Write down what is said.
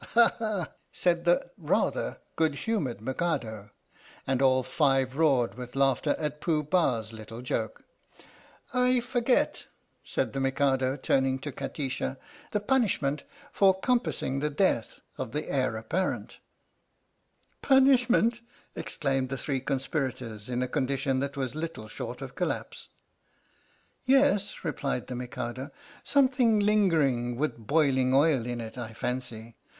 "Ha! ha!" said the (rather) good humoured Mikado. And all five roared with laughter at Pooh Bah's little joke. " I forget," said the Mikado, turning to Kati sha, " the punishment for compassing the death of the Heir Apparent?" 104 THE STORY OF THE MIKADO " Punishment! " exclaimed the three conspirators, in a condition that was little short of collapse. "Yes," replied the Mikado, " something linger ing with boiling oil in it, I fancy.